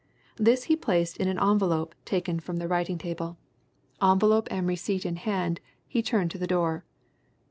This he placed in an envelope taken from the writing table. Envelope and receipt in hand, he turned to the door.